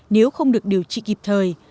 nếu không được điều trị kịp thời